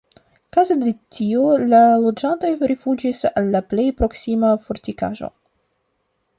Kaze de tio la loĝantoj rifuĝis al la plej proksima fortikaĵo.